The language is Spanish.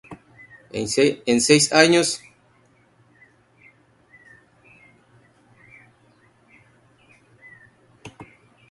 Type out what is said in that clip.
En seis años jugó para un solo equipo de Liga Nacional.